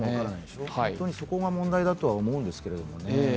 そこが問題だとは思うんですけどね。